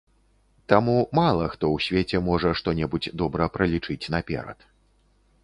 Таму мала хто ў свеце можа што-небудзь добра пралічыць наперад.